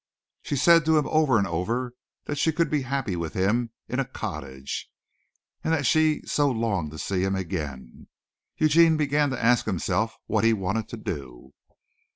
She said to him over and over that she could be happy with him in a cottage and that she so longed to see him again. Eugene began to ask himself what he wanted to do.